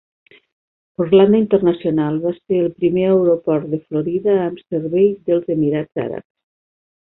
Orlando International va ser el primer aeroport de Florida amb servei dels Emirats Àrabs.